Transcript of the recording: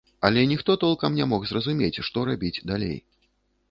Але ніхто толкам не мог зразумець, што рабіць далей.